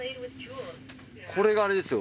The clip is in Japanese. これがあれですよ